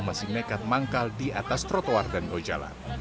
masih nekat manggal di atas trotoar dan gojalan